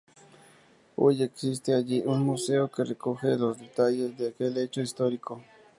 Hoy existe allí un museo que recoge los detalles de aquel hecho histórico.